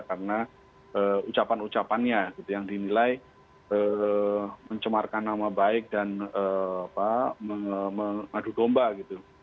karena ucapan ucapannya yang dinilai mencemarkan nama baik dan mengadu domba gitu